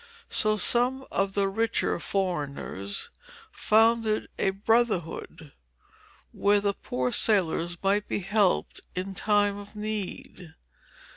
So some of the richer foreigners founded a Brotherhood, where the poor sailors might be helped in time of need.